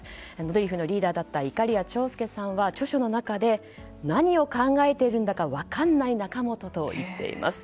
ドリフのリーダーだったいかりや長介さんは、著書の中で何を考えているんだかワカンナイ仲本と言っています。